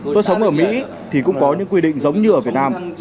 tôi sống ở mỹ thì cũng có những quy định giống như ở việt nam